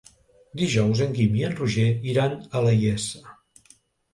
Dijous en Guim i en Roger iran a la Iessa.